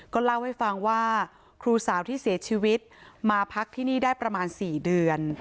เล่าให้ฟังว่าครูสาวที่เสียชีวิตมาพักที่นี่ได้ประมาณ๔เดือน